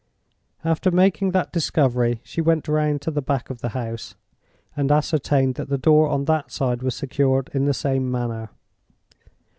After making that discovery, she went round to the back of the house, and ascertained that the door on that side was secured in the same manner.